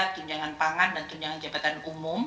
tunjangan pangan dan tunjangan jabatan umum